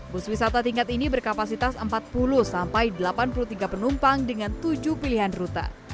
bus wisata tingkat ini berkapasitas empat puluh sampai delapan puluh tiga penumpang dengan tujuh pilihan rute